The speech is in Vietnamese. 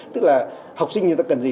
tức là học sinh như ta cần gì